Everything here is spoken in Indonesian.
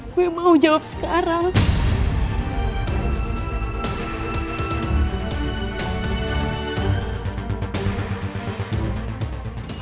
gue mau jawab sekarang